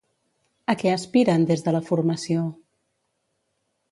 A què aspiren, des de la formació?